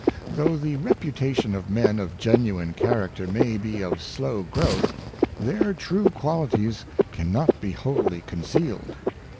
Though the reputation of men of genuine character may be of slow growth, their true qualities can not be wholly concealed.